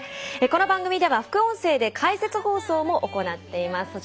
この番組では副音声で解説放送も行っています。